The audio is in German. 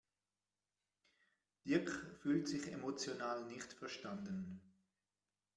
Dirk fühlt sich emotional nicht verstanden.